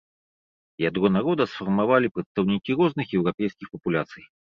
Ядро народа сфармавалі прадстаўнікі розных еўрапейскіх папуляцый.